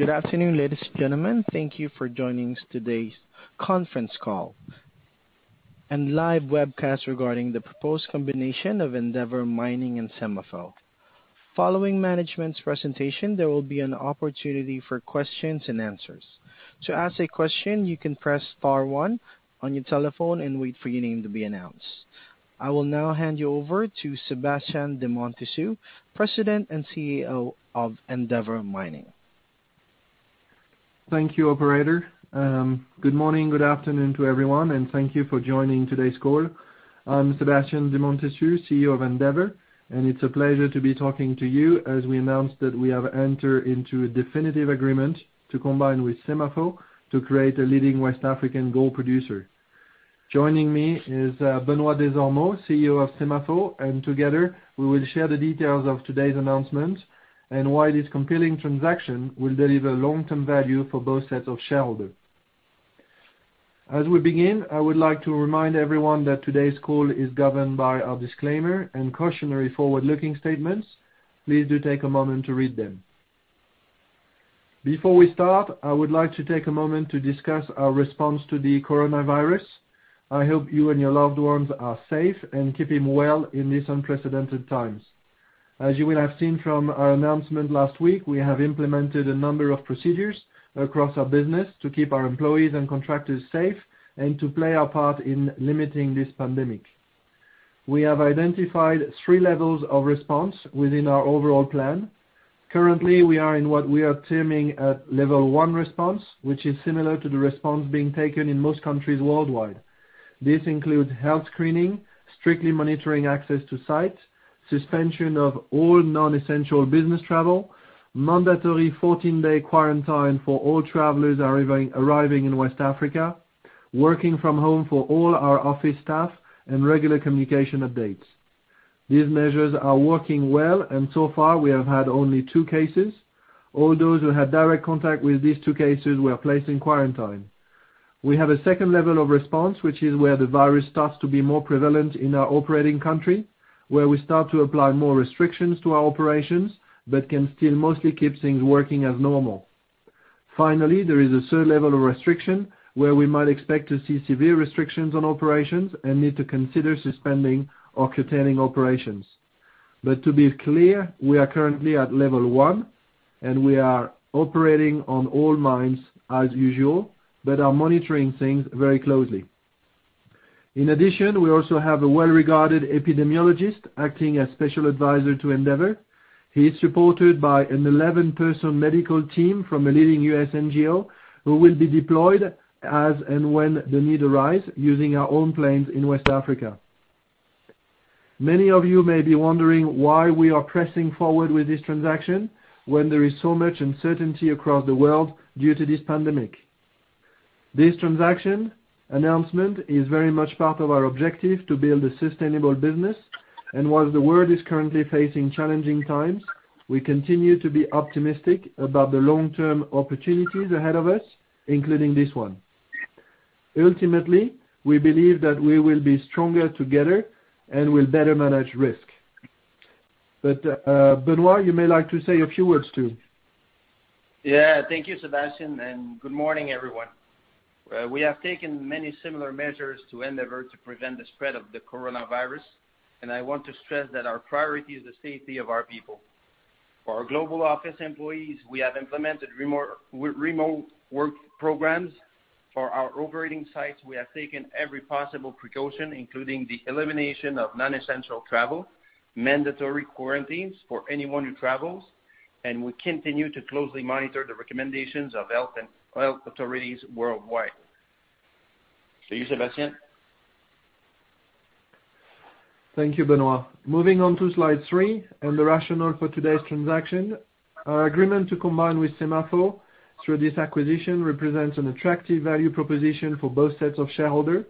Good afternoon, ladies and gentlemen. Thank you for joining today's conference call and live webcast regarding the proposed combination of Endeavour Mining and SEMAFO. Following management's presentation, there will be an opportunity for questions and answers. To ask a question, you can press star one on your telephone and wait for your name to be announced. I will now hand you over to Sébastien de Montessus, President and CEO of Endeavour Mining. Thank you, operator. Good morning, good afternoon to everyone, and thank you for joining today's call. I'm Sébastien de Montessus, CEO of Endeavour, and it's a pleasure to be talking to you as we announce that we have entered into a definitive agreement to combine with SEMAFO to create a leading West African gold producer. Joining me is Benoit Desormeaux, CEO of SEMAFO, and together we will share the details of today's announcement and why this compelling transaction will deliver long-term value for both sets of shareholders. As we begin, I would like to remind everyone that today's call is governed by our disclaimer and cautionary forward-looking statements. Please do take a moment to read them. Before we start, I would like to take a moment to discuss our response to the coronavirus. I hope you and your loved ones are safe and keeping well in these unprecedented times. As you will have seen from our announcement last week, we have implemented a number of procedures across our business to keep our employees and contractors safe and to play our part in limiting this pandemic. We have identified three levels of response within our overall plan. Currently, we are in what we are terming a level one response, which is similar to the response being taken in most countries worldwide. This includes health screening, strictly monitoring access to sites, suspension of all non-essential business travel, mandatory 14-day quarantine for all travelers arriving in West Africa, working from home for all our office staff, and regular communication updates. These measures are working well, so far we have had only two cases. All those who had direct contact with these two cases were placed in quarantine. We have a level two of response, which is where the virus starts to be more prevalent in our operating country, where we start to apply more restrictions to our operations but can still mostly keep things working as normal. There is a level three of restriction where we might expect to see severe restrictions on operations and need to consider suspending or curtailing operations. To be clear, we are currently at level one, and we are operating on all mines as usual but are monitoring things very closely. In addition, we also have a well-regarded epidemiologist acting as special advisor to Endeavour. He is supported by an 11-person medical team from a leading U.S. NGO, who will be deployed as and when the need arise using our own planes in West Africa. Many of you may be wondering why we are pressing forward with this transaction when there is so much uncertainty across the world due to this pandemic. This transaction announcement is very much part of our objective to build a sustainable business, and while the world is currently facing challenging times, we continue to be optimistic about the long-term opportunities ahead of us, including this one. Ultimately, we believe that we will be stronger together and will better manage risk. Benoit, you may like to say a few words, too. Yeah. Thank you, Sébastien, and good morning, everyone. We have taken many similar measures to Endeavour to prevent the spread of the coronavirus, and I want to stress that our priority is the safety of our people. For our global office employees, we have implemented remote work programs. For our operating sites, we have taken every possible precaution, including the elimination of non-essential travel, mandatory quarantines for anyone who travels, and we continue to closely monitor the recommendations of health authorities worldwide. To you, Sébastien. Thank you, Benoit. Moving on to slide three and the rationale for today's transaction. Our agreement to combine with SEMAFO through this acquisition represents an attractive value proposition for both sets of shareholders.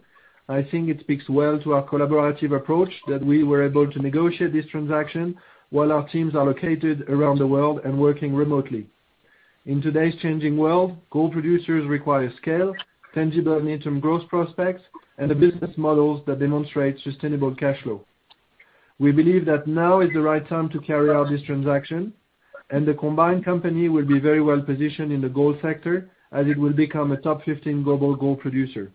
I think it speaks well to our collaborative approach that we were able to negotiate this transaction while our teams are located around the world and working remotely. In today's changing world, gold producers require scale, tangible medium-term growth prospects, and business models that demonstrate sustainable cash flow. We believe that now is the right time to carry out this transaction, and the combined company will be very well positioned in the gold sector as it will become a top 15 global gold producer.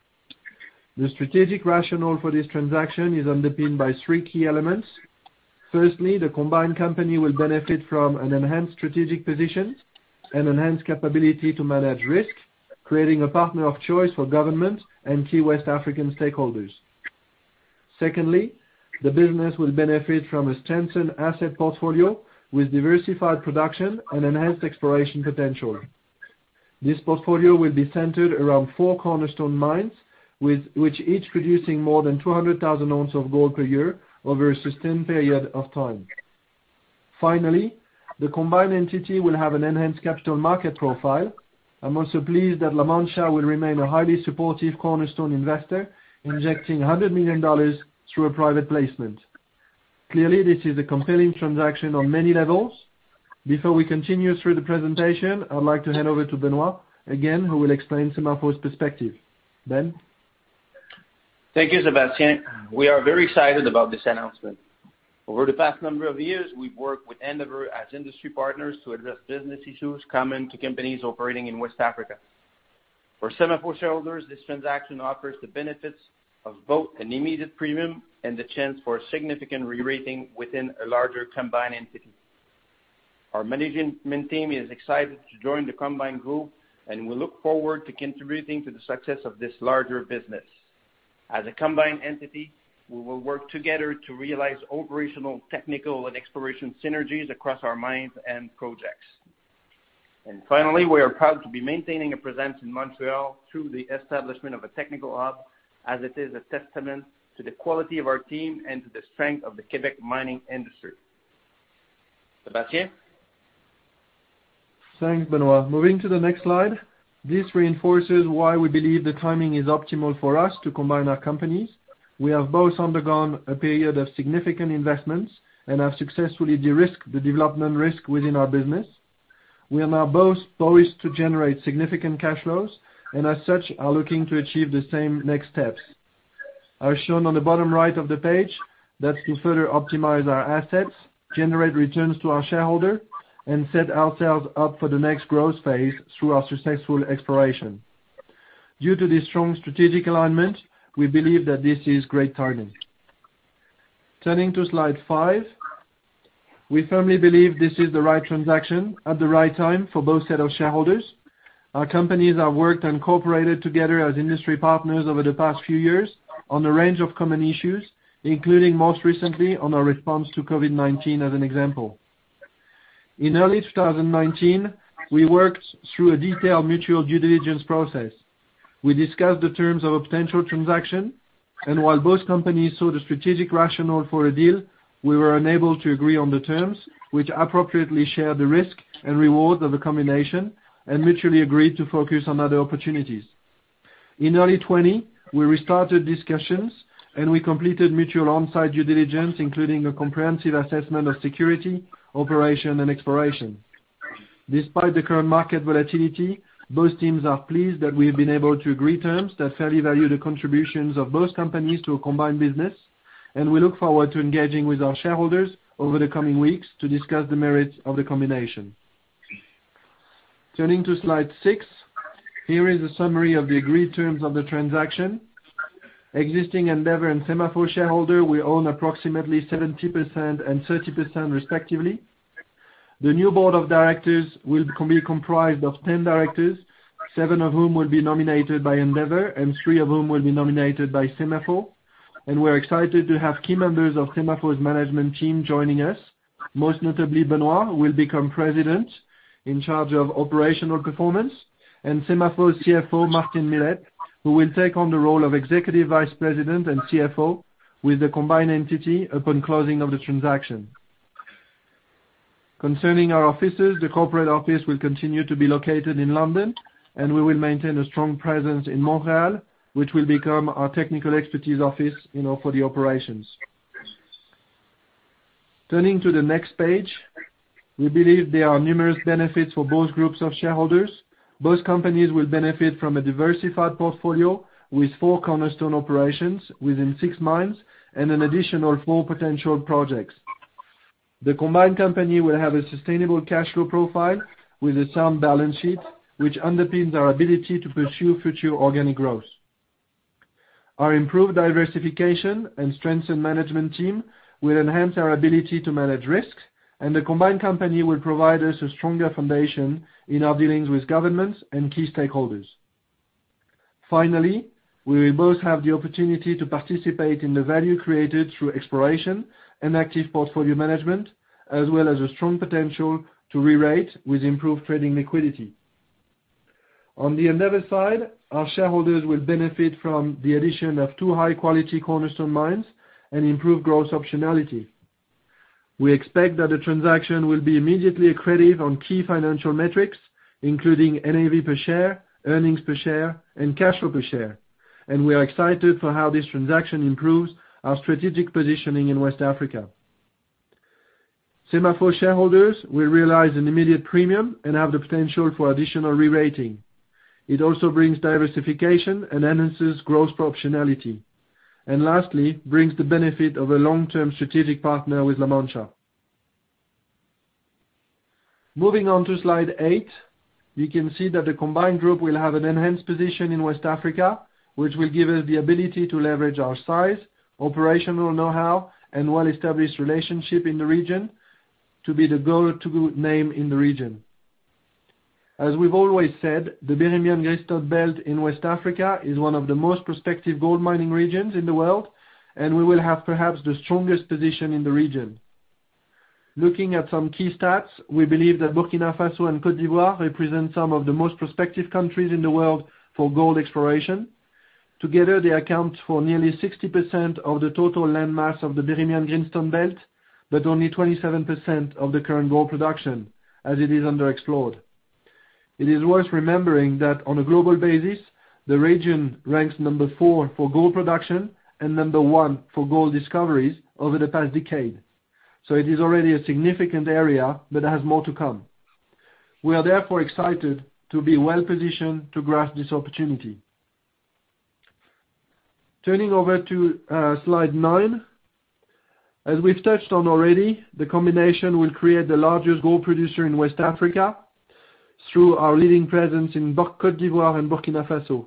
The strategic rationale for this transaction is underpinned by three key elements. Firstly, the combined company will benefit from an enhanced strategic position and enhanced capability to manage risk, creating a partner of choice for government and key West African stakeholders. Secondly, the business will benefit from a strengthened asset portfolio with diversified production and enhanced exploration potential. This portfolio will be centered around four cornerstone mines, with each producing more than 200,000 ounces of gold per year over a sustained period of time. Finally, the combined entity will have an enhanced capital market profile. I'm also pleased that La Mancha will remain a highly supportive cornerstone investor, injecting $100 million through a private placement. Clearly, this is a compelling transaction on many levels. Before we continue through the presentation, I'd like to hand over to Benoit again, who will explain Semafo's perspective. Ben? Thank you, Sébastien. We are very excited about this announcement. Over the past number of years, we've worked with Endeavour as industry partners to address business issues common to companies operating in West Africa. For SEMAFO shareholders, this transaction offers the benefits of both an immediate premium and the chance for a significant re-rating within a larger combined entity. Our management team is excited to join the combined group, and we look forward to contributing to the success of this larger business. As a combined entity, we will work together to realize operational, technical, and exploration synergies across our mines and projects. Finally, we are proud to be maintaining a presence in Montreal through the establishment of a technical hub, as it is a testament to the quality of our team and to the strength of the Quebec mining industry. Sébastien? Thanks, Benoit. Moving to the next slide. This reinforces why we believe the timing is optimal for us to combine our companies. We have both undergone a period of significant investments and have successfully de-risked the development risk within our business. We are now both poised to generate significant cash flows, and as such, are looking to achieve the same next steps. As shown on the bottom right of the page, that's to further optimize our assets, generate returns to our shareholder, and set ourselves up for the next growth phase through our successful exploration. Due to this strong strategic alignment, we believe that this is great timing. Turning to slide five, we firmly believe this is the right transaction at the right time for both set of shareholders. Our companies have worked and cooperated together as industry partners over the past few years on a range of common issues, including most recently on our response to COVID-19, as an example. In early 2019, we worked through a detailed mutual due diligence process. We discussed the terms of a potential transaction, and while both companies saw the strategic rationale for a deal, we were unable to agree on the terms, which appropriately share the risk and reward of a combination and mutually agreed to focus on other opportunities. In early 2020, we restarted discussions and we completed mutual onsite due diligence, including a comprehensive assessment of security, operation, and exploration. Despite the current market volatility, both teams are pleased that we've been able to agree terms that fairly value the contributions of both companies to a combined business. We look forward to engaging with our shareholders over the coming weeks to discuss the merits of the combination. Turning to slide six, here is a summary of the agreed terms of the transaction. Existing Endeavour and SEMAFO shareholders will own approximately 70% and 30% respectively. The new board of directors will be comprised of 10 directors, seven of whom will be nominated by Endeavour and three of whom will be nominated by SEMAFO. We are excited to have key members of SEMAFO's management team joining us, most notably Benoit, who will become President in charge of operational performance, and SEMAFO's CFO, Martin Milette, who will take on the role of Executive Vice President and CFO with the combined entity upon closing of the transaction. Concerning our offices, the corporate office will continue to be located in London, and we will maintain a strong presence in Montreal, which will become our technical expertise office for the operations. Turning to the next page, we believe there are numerous benefits for both groups of shareholders. Both companies will benefit from a diversified portfolio with four cornerstone operations within six mines and an additional four potential projects. The combined company will have a sustainable cash flow profile with a sound balance sheet, which underpins our ability to pursue future organic growth. Our improved diversification and strengthened management team will enhance our ability to manage risks. The combined company will provide us a stronger foundation in our dealings with governments and key stakeholders. Finally, we will both have the opportunity to participate in the value created through exploration and active portfolio management, as well as a strong potential to re-rate with improved trading liquidity. On the Endeavour side, our shareholders will benefit from the addition of two high-quality cornerstone mines and improved growth optionality. We expect that the transaction will be immediately accretive on key financial metrics, including NAV per share, earnings per share, and cash flow per share. We are excited for how this transaction improves our strategic positioning in West Africa. SEMAFO shareholders will realize an immediate premium and have the potential for additional re-rating. It also brings diversification and enhances growth optionality. Lastly, brings the benefit of a long-term strategic partner with La Mancha. Moving on to slide eight, you can see that the combined group will have an enhanced position in West Africa, which will give us the ability to leverage our size, operational know-how, and well-established relationship in the region to be the go-to name in the region. As we've always said, the Birimian Greenstone Belt in West Africa is one of the most prospective gold mining regions in the world, and we will have perhaps the strongest position in the region. Looking at some key stats, we believe that Burkina Faso and Côte d'Ivoire represent some of the most prospective countries in the world for gold exploration. Together, they account for nearly 60% of the total landmass of the Birimian Greenstone Belt, but only 27% of the current gold production, as it is underexplored. It is worth remembering that on a global basis, the region ranks number four for gold production and number one for gold discoveries over the past decade. It is already a significant area but has more to come. We are therefore excited to be well-positioned to grasp this opportunity. Turning over to slide nine. As we've touched on already, the combination will create the largest gold producer in West Africa through our leading presence in Côte d'Ivoire and Burkina Faso.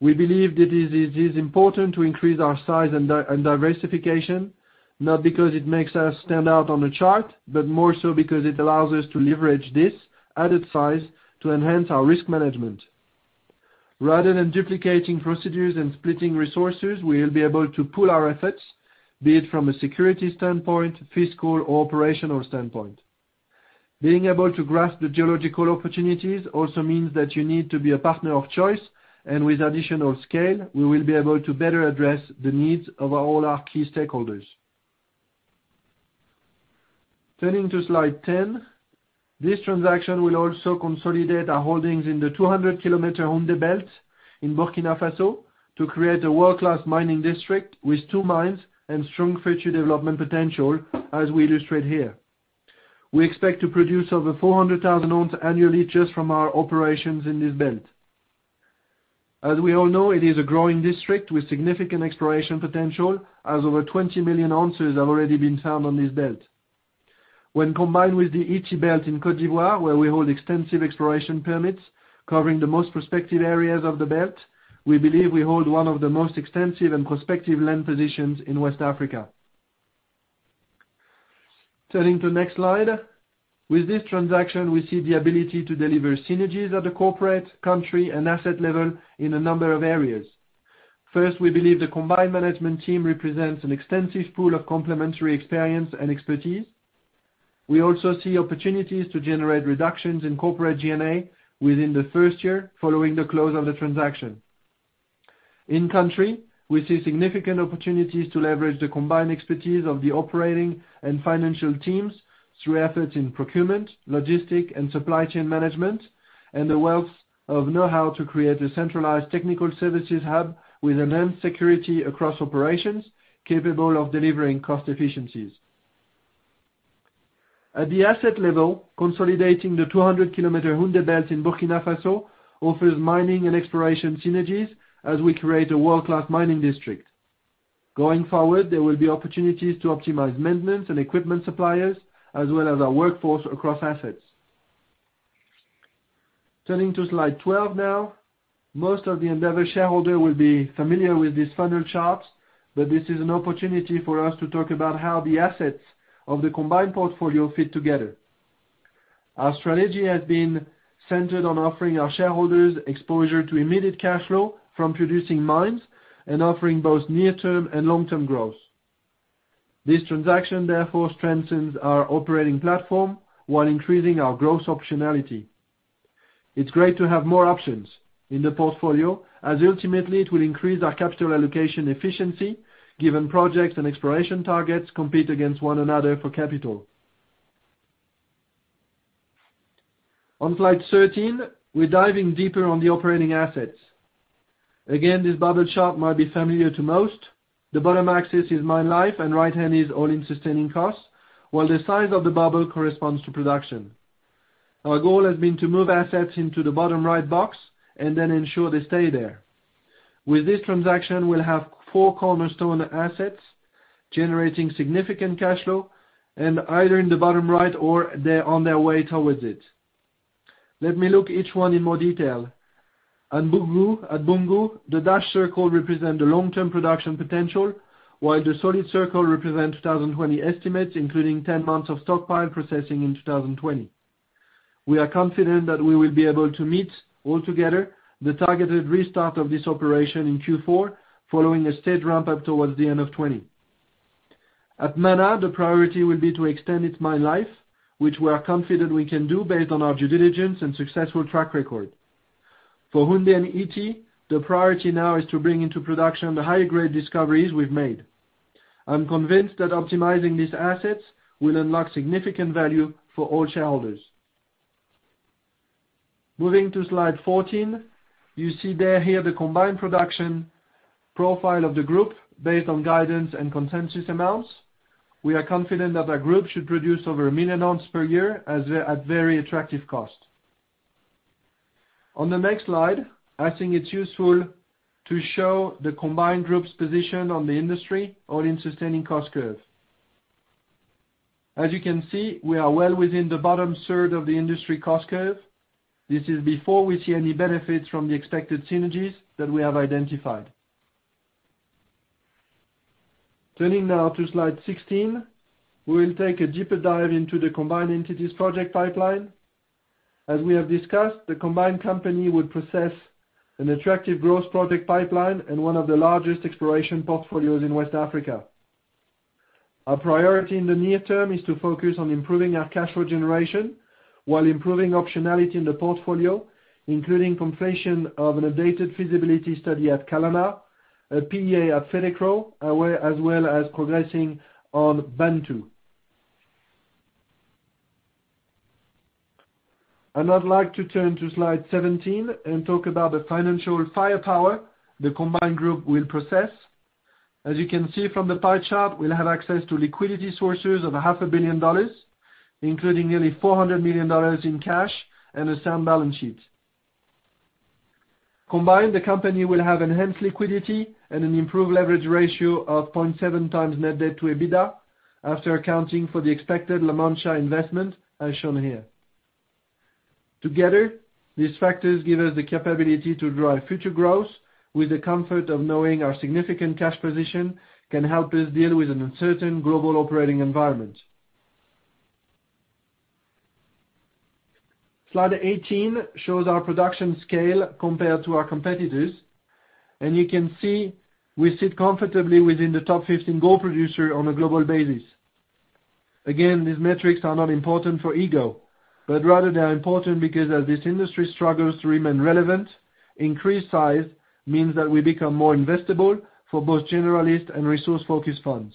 We believe that it is important to increase our size and diversification, not because it makes us stand out on a chart, but more so because it allows us to leverage this added size to enhance our risk management. Rather than duplicating procedures and splitting resources, we will be able to pool our efforts, be it from a security standpoint, fiscal, or operational standpoint. Being able to grasp the geological opportunities also means that you need to be a partner of choice, and with additional scale, we will be able to better address the needs of all our key stakeholders. Turning to slide 10. This transaction will also consolidate our holdings in the 200-km Houndé Belt in Burkina Faso to create a world-class mining district with two mines and strong future development potential, as we illustrate here. We expect to produce over 400,000 ounce annually just from our operations in this belt. As we all know, it is a growing district with significant exploration potential, as over 20 million ounces have already been found on this belt. When combined with the Ity Belt in Côte d'Ivoire, where we hold extensive exploration permits covering the most prospective areas of the belt, we believe we hold one of the most extensive and prospective land positions in West Africa. Turning to next slide. With this transaction, we see the ability to deliver synergies at the corporate, country, and asset level in a number of areas. First, we believe the combined management team represents an extensive pool of complementary experience and expertise. We also see opportunities to generate reductions in corporate G&A within the first year following the close of the transaction. In country, we see significant opportunities to leverage the combined expertise of the operating and financial teams through efforts in procurement, logistic and supply chain management, and the wealth of knowhow to create a centralized technical services hub with enhanced security across operations, capable of delivering cost efficiencies. At the asset level, consolidating the 200-kilometer Houndé Belt in Burkina Faso offers mining and exploration synergies as we create a world-class mining district. Going forward, there will be opportunities to optimize maintenance and equipment suppliers, as well as our workforce across assets. Turning to slide 12 now. Most of the Endeavour shareholder will be familiar with this funnel chart, but this is an opportunity for us to talk about how the assets of the combined portfolio fit together. Our strategy has been centered on offering our shareholders exposure to immediate cash flow from producing mines and offering both near-term and long-term growth. This transaction therefore strengthens our operating platform while increasing our growth optionality. It's great to have more options in the portfolio, as ultimately it will increase our capital allocation efficiency given projects and exploration targets compete against one another for capital. On slide 13, we're diving deeper on the operating assets. Again, this bubble chart might be familiar to most. The bottom axis is mine life and right-hand is all-in sustaining costs, while the size of the bubble corresponds to production. Our goal has been to move assets into the bottom right box and then ensure they stay there. With this transaction, we'll have four cornerstone assets generating significant cash flow and either in the bottom right or they're on their way towards it. Let me look each one in more detail. At Boungou, the dash circle represent the long-term production potential, while the solid circle represent 2020 estimates, including 10 months of stockpile processing in 2020. We are confident that we will be able to meet altogether the targeted restart of this operation in Q4, following a staged ramp-up towards the end of 2020. At Mana, the priority will be to extend its mine life, which we are confident we can do based on our due diligence and successful track record. For Houndé and Ity, the priority now is to bring into production the high-grade discoveries we've made. I'm convinced that optimizing these assets will unlock significant value for all shareholders. Moving to slide 14. You see there here the combined production profile of the group based on guidance and consensus amounts. We are confident that our group should produce over a million ounces per year at very attractive cost. On the next slide, I think it's useful to show the combined group's position on the industry all-in sustaining cost curve. As you can see, we are well within the bottom third of the industry cost curve. This is before we see any benefits from the expected synergies that we have identified. Turning now to slide 16, we will take a deeper dive into the combined entities project pipeline. As we have discussed, the combined company would possess an attractive growth project pipeline and one of the largest exploration portfolios in West Africa. Our priority in the near term is to focus on improving our cash flow generation while improving optionality in the portfolio, including completion of an updated feasibility study at Kalana, a PEA at Serekro, as well as progressing on Bantou. I'd like to turn to slide 17 and talk about the financial firepower the combined group will possess. As you can see from the pie chart, we'll have access to liquidity sources of a half a billion dollars, including nearly $400 million in cash and a sound balance sheet. Combined, the company will have enhanced liquidity and an improved leverage ratio of 0.7x net debt to EBITDA after accounting for the expected La Mancha investment, as shown here. These factors give us the capability to drive future growth with the comfort of knowing our significant cash position can help us deal with an uncertain global operating environment. Slide 18 shows our production scale compared to our competitors, you can see we sit comfortably within the top 15 gold producer on a global basis. These metrics are not important for ego, rather they are important because as this industry struggles to remain relevant, increased size means that we become more investable for both generalist and resource-focused funds.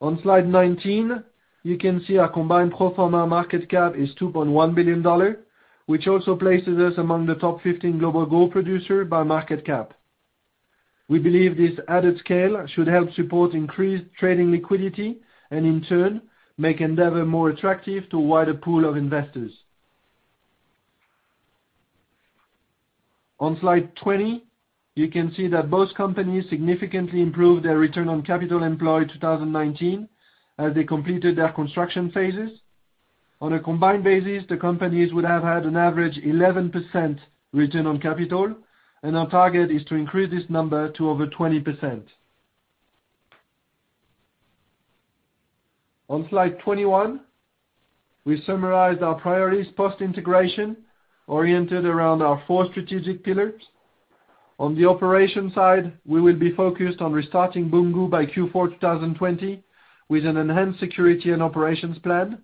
On slide 19, you can see our combined pro forma market cap is $2.1 billion, which also places us among the top 15 global gold producer by market cap. We believe this added scale should help support increased trading liquidity and in turn, make Endeavour more attractive to a wider pool of investors. On slide 20, you can see that both companies significantly improved their return on capital employed in 2019 as they completed their construction phases. On a combined basis, the companies would have had an average 11% return on capital, and our target is to increase this number to over 20%. On slide 21, we summarized our priorities post-integration oriented around our four strategic pillars. On the operation side, we will be focused on restarting Boungou by Q4 2020 with an enhanced security and operations plan.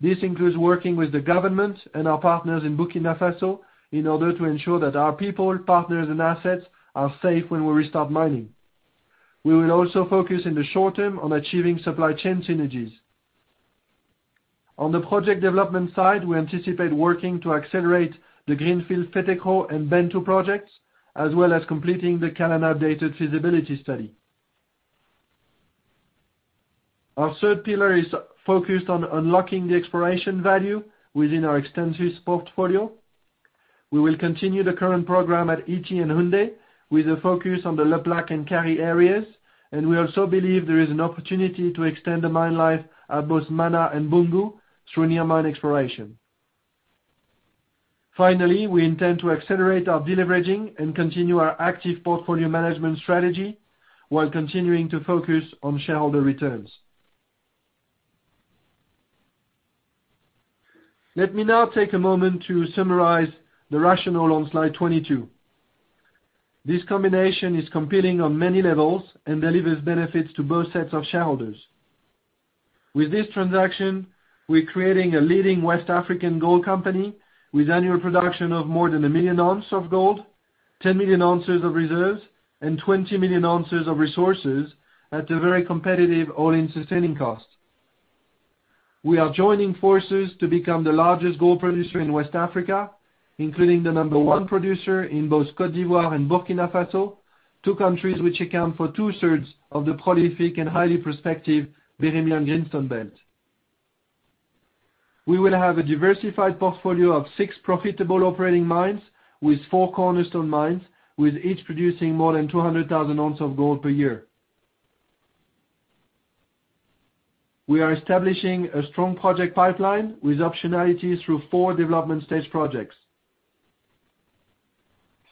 This includes working with the government and our partners in Burkina Faso in order to ensure that our people, partners, and assets are safe when we restart mining. We will also focus in the short term on achieving supply chain synergies. On the project development side, we anticipate working to accelerate the greenfield Fetekro and Bantou projects, as well as completing the Kalana updated feasibility study. Our third pillar is focused on unlocking the exploration value within our extensive portfolio. We will continue the current program at Ity and Houndé with a focus on the Le Plaque and Kari areas, and we also believe there is an opportunity to extend the mine life at both Mana and Boungou through near-mine exploration. Finally, we intend to accelerate our deleveraging and continue our active portfolio management strategy while continuing to focus on shareholder returns. Let me now take a moment to summarize the rationale on slide 22. This combination is competing on many levels and delivers benefits to both sets of shareholders. With this transaction, we're creating a leading West African gold company with annual production of more than 1 million ounces of gold, 10 million ounces of reserves, and 20 million ounces of resources at a very competitive all-in sustaining cost. We are joining forces to become the largest gold producer in West Africa, including the number one producer in both Côte d'Ivoire and Burkina Faso, two countries which account for two-thirds of the prolific and highly prospective Birimian Greenstone Belt. We will have a diversified portfolio of six profitable operating mines with four cornerstone mines, with each producing more than 200,000 ounces of gold per year. We are establishing a strong project pipeline with optionality through four development stage projects.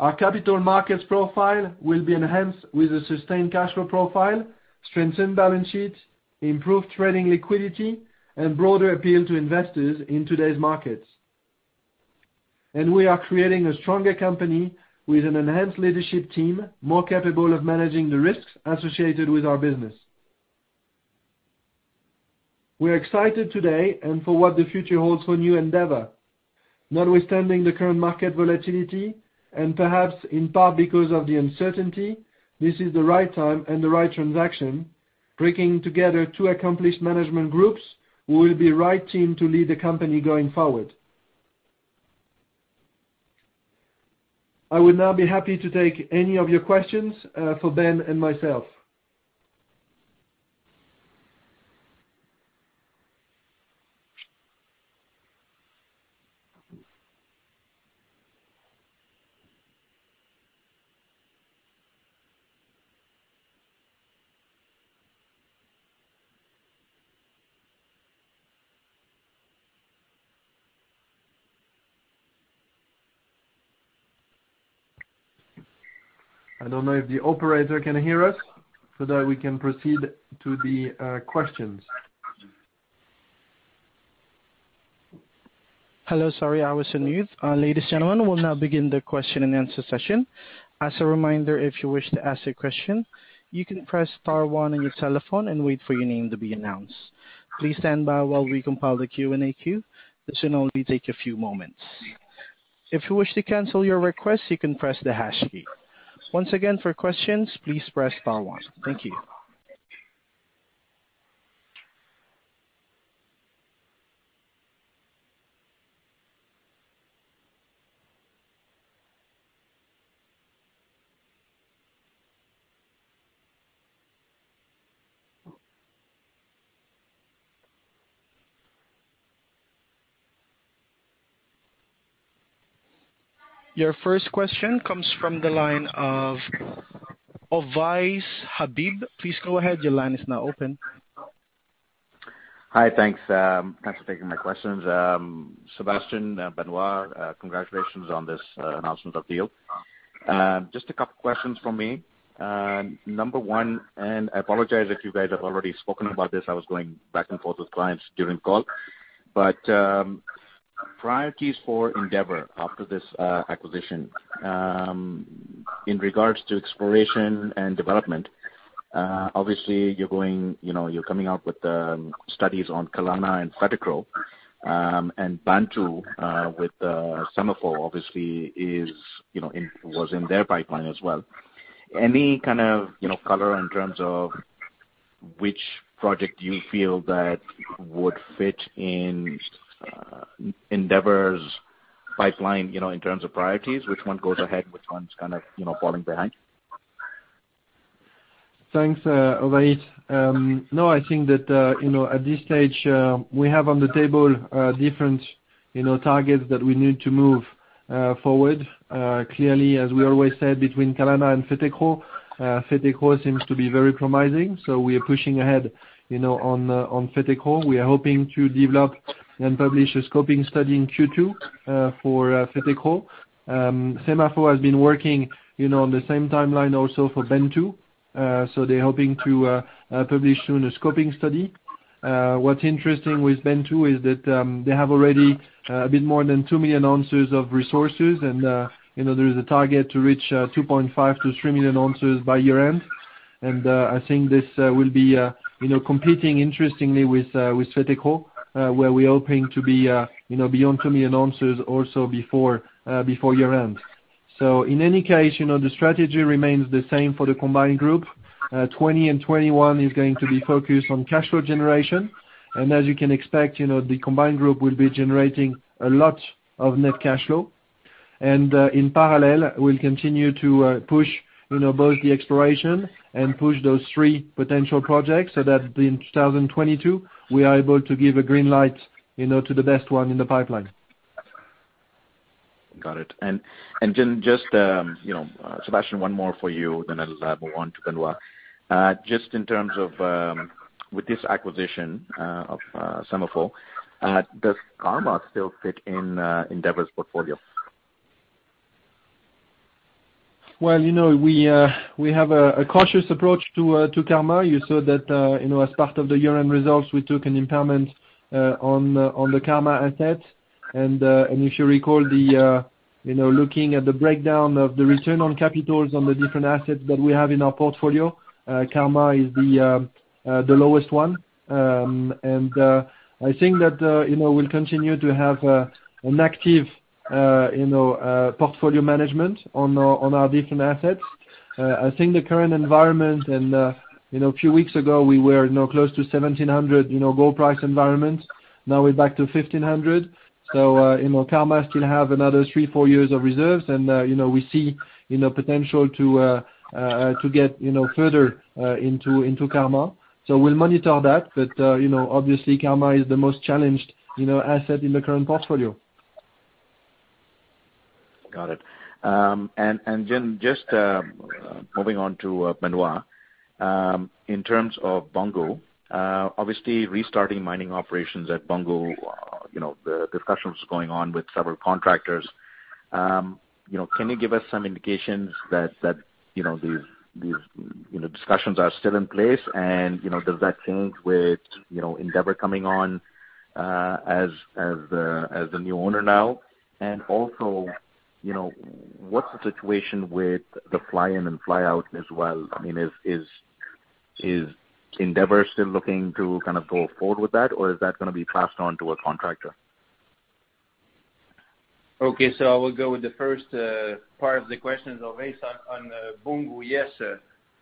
Our capital markets profile will be enhanced with a sustained cash flow profile, strengthened balance sheet, improved trading liquidity, and broader appeal to investors in today's markets. We are creating a stronger company with an enhanced leadership team, more capable of managing the risks associated with our business. We are excited today and for what the future holds for new Endeavour. Notwithstanding the current market volatility, and perhaps in part because of the uncertainty, this is the right time and the right transaction, bringing together two accomplished management groups who will be the right team to lead the company going forward. I would now be happy to take any of your questions for Ben and myself. I don't know if the operator can hear us so that we can proceed to the questions. Hello. Sorry, I was on mute. Ladies, gentlemen, we'll now begin the question-and-answer session. As a reminder, if you wish to ask a question, you can press star one on your telephone and wait for your name to be announced. Please stand by while we compile the Q&A queue. This should only take a few moments. If you wish to cancel your request, you can press the hash key. Once again, for questions, please press star one. Thank you. Your first question comes from the line of Ovais Habib. Please go ahead. Your line is now open. Hi. Thanks for taking my questions. Sébastien, Benoit, congratulations on this announcement of the deal. Just a couple questions from me. Number one. I apologize if you guys have already spoken about this, I was going back and forth with clients during the call. Priorities for Endeavour after this acquisition. In regards to exploration and development, obviously you're coming out with the studies on Kalana and Fetekro, and Bantou with SEMAFO obviously was in their pipeline as well. Any kind of color in terms of which project do you feel that would fit in Endeavour's pipeline, in terms of priorities? Which one goes ahead? Which one's kind of falling behind? Thanks, Ovais. I think that at this stage we have on the table different targets that we need to move forward. Clearly, as we always said, between Kalana and Fetekro seems to be very promising. We are pushing ahead on Fetekro. We are hoping to develop and publish a scoping study in Q2 for Fetekro. SEMAFO has been working on the same timeline also for Bantou. They're hoping to publish soon a scoping study. What's interesting with Bantou is that they have already a bit more than 2 million ounces of resources and there is a target to reach 2.5 million-3 million ounces by year-end. I think this will be competing interestingly with Fetekro, where we're hoping to be beyond 2 million ounces also before year-end. In any case, the strategy remains the same for the combined group. 2020 and 2021 is going to be focused on cash flow generation. As you can expect, the combined group will be generating a lot of net cash flow. In parallel, we'll continue to push both the exploration and push those three potential projects so that in 2022, we are able to give a green light to the best one in the pipeline. Got it. Then just, Sébastien, one more for you, then I'll move on to Benoit. Just in terms of with this acquisition of SEMAFO, does Karma still fit in Endeavour's portfolio? Well, we have a cautious approach to Karma. You saw that as part of the year-end results, we took an impairment on the Karma asset. If you recall, looking at the breakdown of the return on capital employed on the different assets that we have in our portfolio, Karma is the lowest one. I think that we'll continue to have an active portfolio management on our different assets. I think the current environment, and a few weeks ago we were close to $1,700 gold price environment. Now we're back to $1,500. Karma still have another three, four years of reserves, and we see potential to get further into Karma. We'll monitor that. Obviously Karma is the most challenged asset in the current portfolio. Got it. Then just moving on to Benoit. In terms of Boungou, obviously restarting mining operations at Boungou, the discussions going on with several contractors. Can you give us some indications that these discussions are still in place and does that change with Endeavour coming on as the new owner now? Also, what's the situation with the fly-in fly-out as well? Is Endeavour still looking to go forward with that, or is that going to be passed on to a contractor? Okay. I will go with the first part of the question, Ovais, on Boungou. Yes,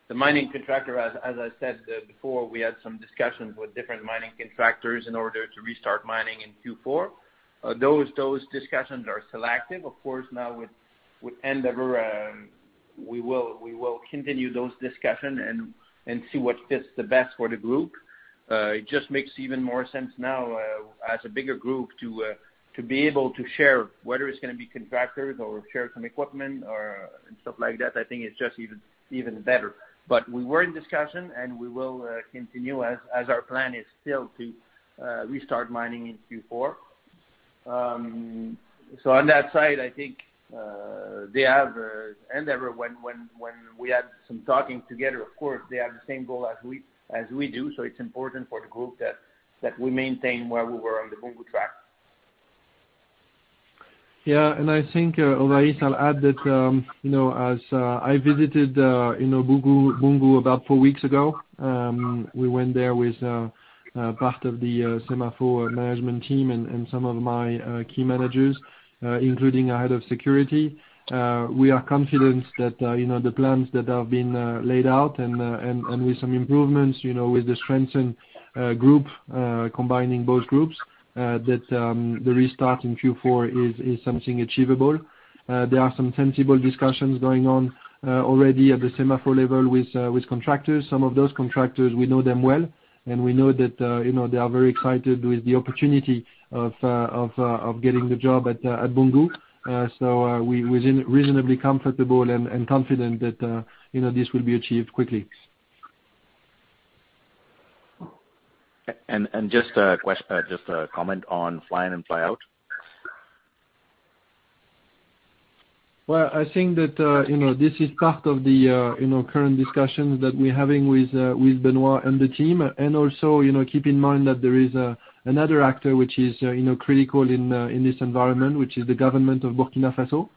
the mining contractor, as I said before, we had some discussions with different mining contractors in order to restart mining in Q4. Those discussions are still active. Of course, now with Endeavour, we will continue those discussions and see what fits the best for the group. It just makes even more sense now as a bigger group to be able to share, whether it's going to be contractors or share some equipment or stuff like that, I think it's just even better. We were in discussion, and we will continue as our plan is still to restart mining in Q4. On that side, I think Endeavour, when we had some talking together, of course, they have the same goal as we do. It's important for the group that we maintain where we were on the Boungou track. I think, Ovais, I'll add that as I visited Boungou about four weeks ago. We went there with part of the SEMAFO management team and some of my key managers including a head of security. We are confident that the plans that have been laid out, and with some improvements, with the strengthened group combining both groups, that the restart in Q4 is something achievable. There are some tangible discussions going on already at the SEMAFO level with contractors. Some of those contractors, we know them well, and we know that they are very excited with the opportunity of getting the job at Boungou. We're reasonably comfortable and confident that this will be achieved quickly. Just a comment on fly-in and fly-out? Well, I think that this is part of the current discussions that we're having with Benoit and the team, and also, keep in mind that there is another actor which is critical in this environment, which is the government of Burkina Faso.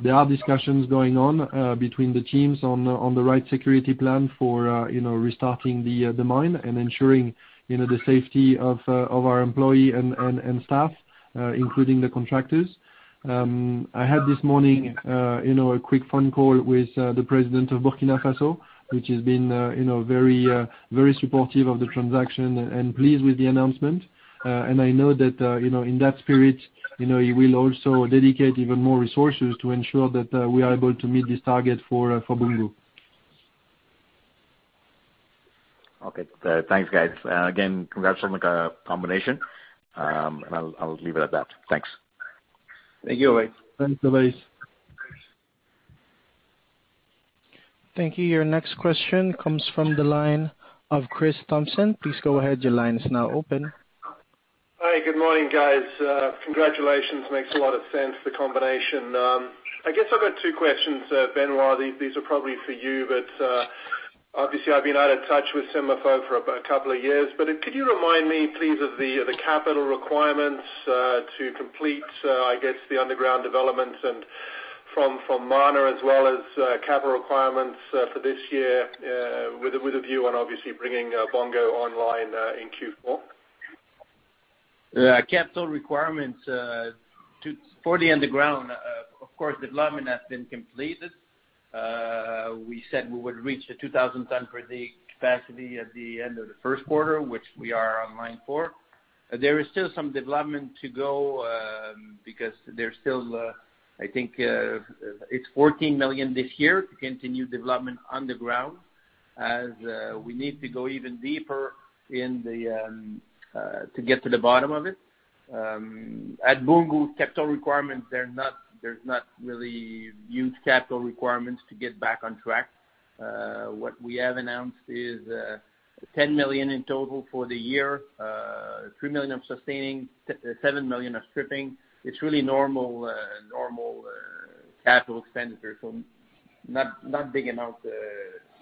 There are discussions going on between the teams on the right security plan for restarting the mine and ensuring the safety of our employee and staff, including the contractors. I had this morning, a quick phone call with the president of Burkina Faso, which has been very supportive of the transaction and pleased with the announcement. I know that in that spirit, he will also dedicate even more resources to ensure that we are able to meet this target for Boungou. Okay. Thanks, guys. Again, congrats on the combination. I'll leave it at that. Thanks. Thank you, Ovais. Thanks, Ovais. Thank you. Your next question comes from the line of Chris Thompson. Please go ahead. Your line is now open. Hi. Good morning, guys. Congratulations. Makes a lot of sense, the combination. I guess I've got two questions. Benoit, these are probably for you, but obviously I've been out of touch with SEMAFO for a couple of years, but could you remind me, please, of the capital requirements to complete, I guess, the underground developments and from Mana as well as capital requirements for this year, with a view on obviously bringing Boungou online, in Q4? Capital requirements for the underground, of course, development has been completed. We said we would reach the 2,000 tons per day capacity at the end of the first quarter, which we are online for. There is still some development to go, because there's still, I think, it's $14 million this year to continue development underground as we need to go even deeper to get to the bottom of it. At Boungou, capital requirements, there's not really huge capital requirements to get back on track. What we have announced is $10 million in total for the year, $3 million of sustaining, $7 million of stripping. Not big amount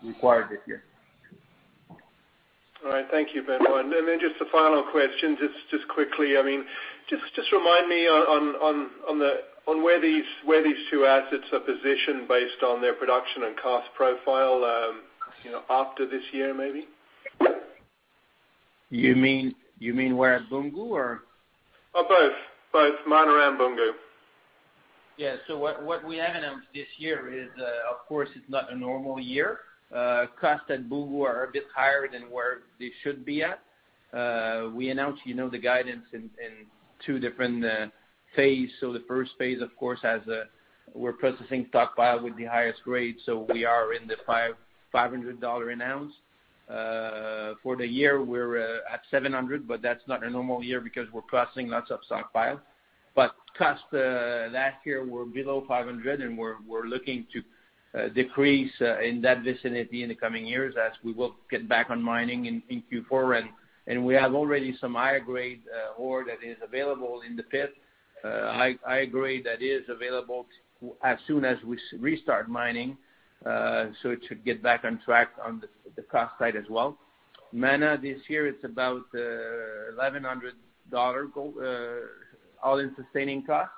required this year. All right. Thank you, Benoit. Just a final question, just quickly, just remind me on where these two assets are positioned based on their production and cost profile, after this year, maybe? You mean where at Boungou, or? Both. Mana and Boungou. Yeah. What we have announced this year is, of course, it's not a normal year. Cost at Boungou are a bit higher than where they should be at. We announced the guidance in two different phases. The first phase, of course, as we're processing stockpile with the highest grade, so we are in the $500 an ounce. For the year, we're at $700, but that's not a normal year because we're processing lots of stockpile. Cost, last year, were below $500 and we're looking to decrease in that vicinity in the coming years as we will get back on mining in Q4. We have already some higher grade ore that is available in the pit. Higher grade that is available as soon as we restart mining, so it should get back on track on the cost side as well. Mana this year, it's about $1,100 all-in sustaining cost.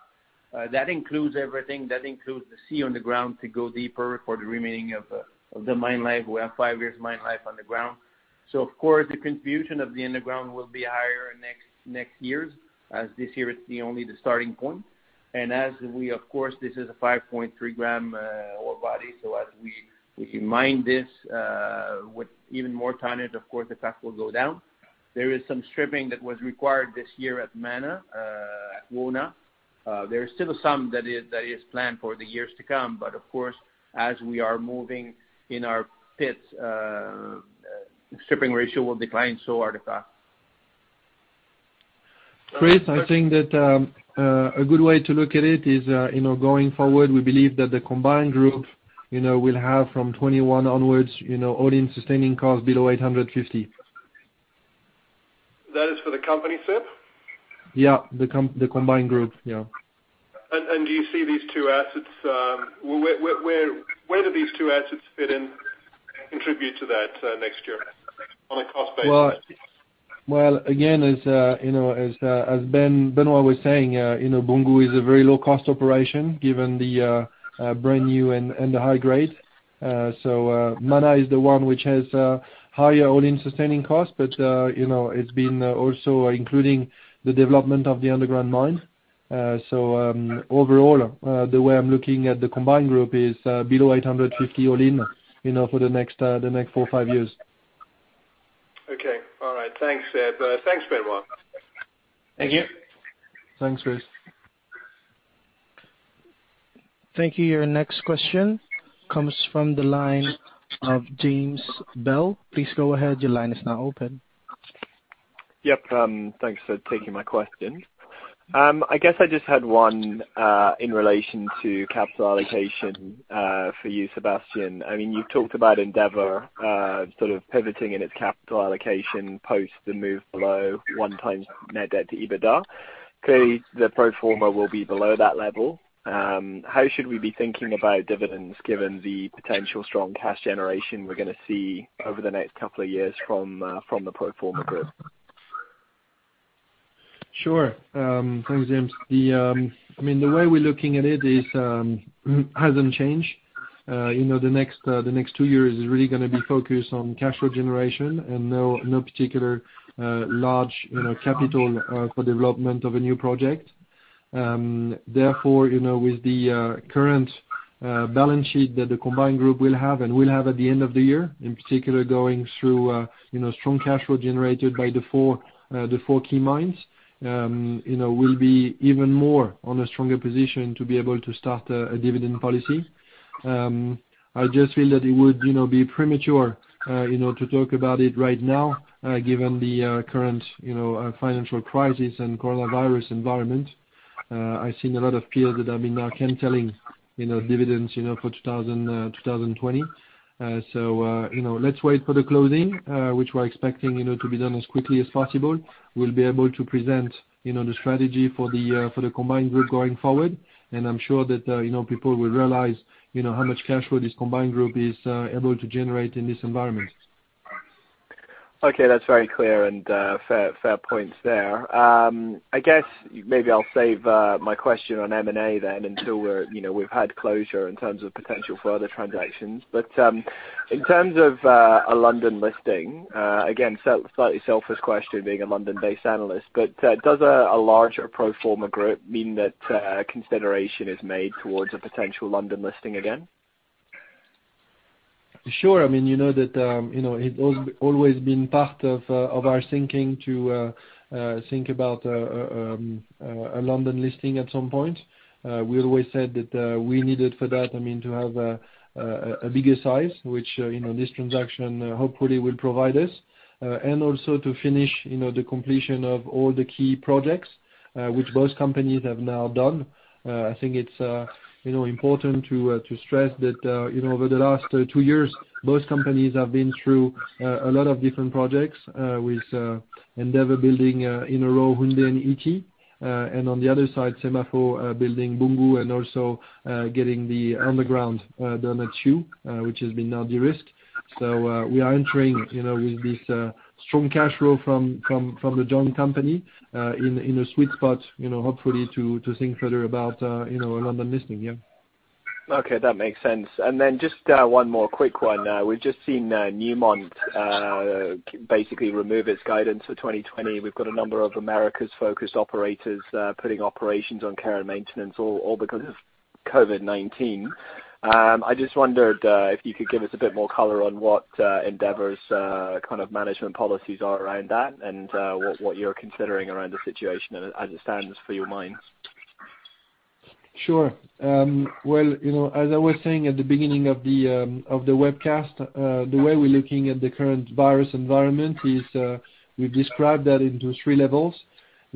That includes everything. That includes the C underground to go deeper for the remaining of the mine life. We have five years mine life underground. Of course, the contribution of the underground will be higher next years, as this year it's only the starting point. As we, of course, this is a 5.3-gram ore body, as we mine this, with even more tonnage, of course, the cost will go down. There is some stripping that was required this year at Mana, at Wona. There is still some that is planned for the years to come, of course, as we are moving in our pits, stripping ratio will decline, are the costs. Chris, I think that a good way to look at it is, going forward, we believe that the combined group will have from 2021 onwards, all-in sustaining costs below $850. That is for the company, Seb? Yeah, the combined group. Yeah. Do you see these two assets, where do these two assets fit in, contribute to that, next year on a cost basis? Again, as Benoit was saying, Boungou is a very low-cost operation given the brand new and the high grade. Mana is the one which has higher all-in sustaining cost, it's been also including the development of the underground mine. Overall, the way I'm looking at the combined group is below $850 all in for the next four or five years. Okay. All right. Thanks, Seb. Thanks, Benoit. Thank you. Thanks, Chris. Thank you. Your next question comes from the line of James Bell. Please go ahead. Your line is now open. Thanks for taking my question. I guess I just had one in relation to capital allocation for you, Sébastien. You've talked about Endeavour pivoting in its capital allocation post the move below one times net debt to EBITDA. Clearly, the pro forma will be below that level. How should we be thinking about dividends given the potential strong cash generation we're going to see over the next couple of years from the pro forma group? Sure. Thanks, James. The way we're looking at it hasn't changed. The next two years is really going to be focused on cash flow generation and no particular large capital for development of a new project. With the current balance sheet that the combined group will have and will have at the end of the year, in particular, going through strong cash flow generated by the four key mines, we'll be even more on a stronger position to be able to start a dividend policy. I just feel that it would be premature to talk about it right now, given the current financial crisis and coronavirus environment. I've seen a lot of peers that have been now canceling dividends for 2020. Let's wait for the closing, which we're expecting to be done as quickly as possible. We'll be able to present the strategy for the combined group going forward, and I'm sure that people will realize how much cash flow this combined group is able to generate in this environment. Okay, that's very clear and fair points there. I guess maybe I'll save my question on M&A then until we've had closure in terms of potential for other transactions. In terms of a London listing, again, slightly selfish question, being a London-based analyst, but does a larger pro forma group mean that consideration is made towards a potential London listing again? Sure. You know that it always been part of our thinking to think about a London listing at some point. We always said that we needed for that to have a bigger size, which this transaction hopefully will provide us. Also to finish the completion of all the key projects which both companies have now done. I think it's important to stress that over the last two years, both companies have been through a lot of different projects, with Endeavour building in a row, Houndé and Ity. On the other side, SEMAFO building Boungou and also getting the underground done at Siou, which has been now de-risked. We are entering with this strong cash flow from the joint company in a sweet spot, hopefully to think further about a London listing. Yeah. Okay, that makes sense. Just one more quick one. We've just seen Newmont basically remove its guidance for 2020. We've got a number of Americas-focused operators putting operations on care and maintenance, all because of COVID-19. I just wondered if you could give us a bit more color on what Endeavour's management policies are around that and what you're considering around the situation as it stands for your mines. Sure. Well, as I was saying at the beginning of the webcast, the way we're looking at the current virus environment is we've described that into three levels.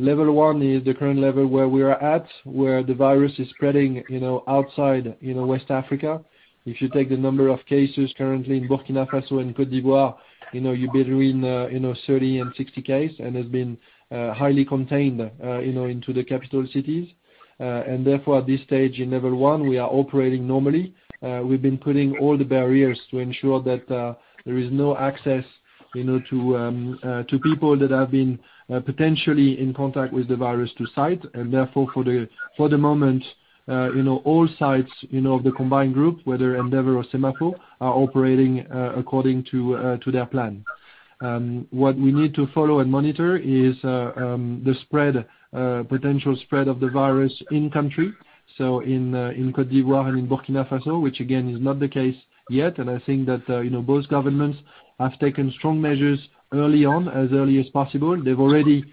Level one is the current level where we are at, where the virus is spreading outside West Africa. If you take the number of cases currently in Burkina Faso and Côte d'Ivoire, you're between 30 and 60 cases, and has been highly contained into the capital cities. Therefore, at this stage in level one, we are operating normally. We've been putting all the barriers to ensure that there is no access to people that have been potentially in contact with the virus to site. Therefore, for the moment, all sites of the combined group, whether Endeavour or SEMAFO, are operating according to their plan. What we need to follow and monitor is the potential spread of the virus in country, so in Côte d'Ivoire and in Burkina Faso, which again, is not the case yet. I think that both governments have taken strong measures early on, as early as possible. They've already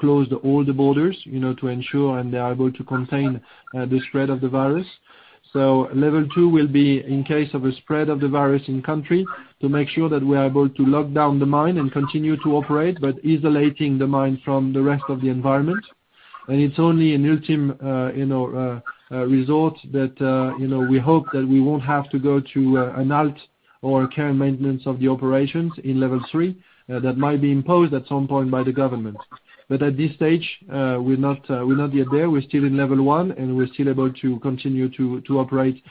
closed all the borders to ensure, and they are able to contain the spread of the virus. Level two will be in case of a spread of the virus in country, to make sure that we are able to lock down the mine and continue to operate, but isolating the mine from the rest of the environment. It's only an ultimate resort that we hope that we won't have to go to a halt or a care and maintenance of the operations in level three that might be imposed at some point by the government. At this stage, we're not yet there. We're still in level one, and we're still able to continue to operate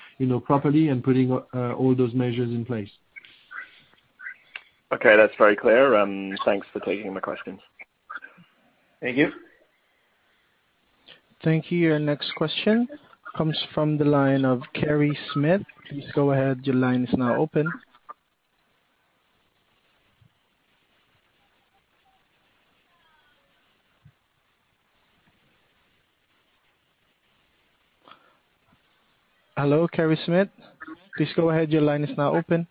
properly and putting all those measures in place. Okay, that's very clear. Thanks for taking my questions. Thank you. Thank you. Your next question comes from the line of Kerry Smith. Please go ahead. Your line is now open. Hello, Kerry Smith? Please go ahead. Your line is now open.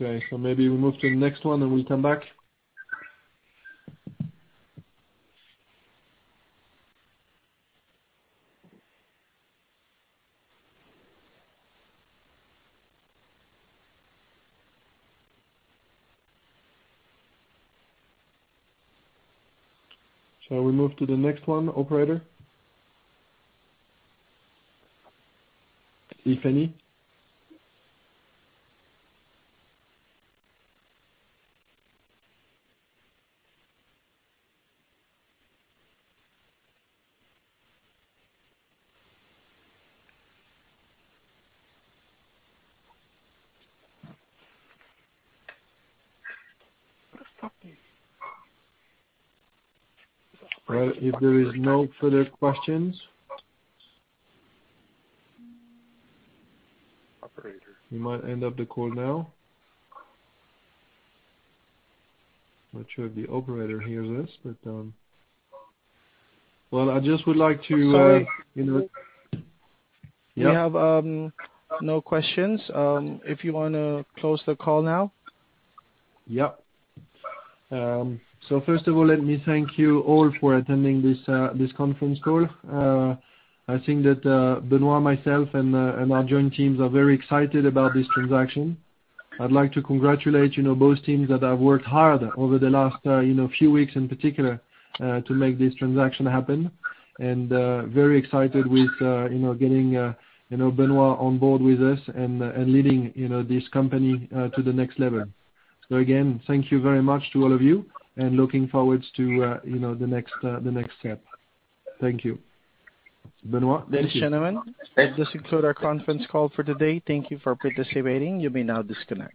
Okay. Maybe we move to the next one, and we'll come back. Shall we move to the next one, operator? If any. Well, if there are no further questions. Operator, we might end up the call now. Not sure if the operator hears this. Well, I just would like to. Sorry. Yeah. We have no questions. If you want to close the call now. Yep. First of all, let me thank you all for attending this conference call. I think that Benoit, myself, and our joint teams are very excited about this transaction. I'd like to congratulate both teams that have worked hard over the last few weeks, in particular, to make this transaction happen. Very excited with getting Benoit on board with us and leading this company to the next level. Again, thank you very much to all of you, and looking forward to the next step. Thank you. Benoit. Thanks, gentlemen. That does conclude our conference call for today. Thank you for participating. You may now disconnect.